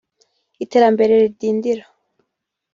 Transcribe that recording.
iterambere ridindira